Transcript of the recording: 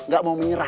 gak mau menyerah